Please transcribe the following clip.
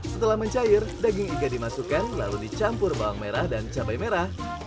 setelah mencair daging iga dimasukkan lalu dicampur bawang merah dan cabai merah